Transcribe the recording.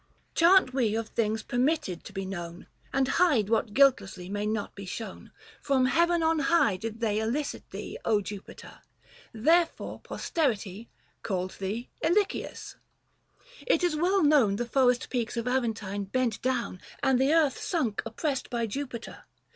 79 Chant we of things permitted to be known, And hide what guiltlessly may not be shown. From heaven on high did they elicit thee, Jupiter ! Therefore posterity Calls thee Elicius. — It is well known 350 The forest peaks of Aventine bent down And the earth sunk oppressed by Jupiter.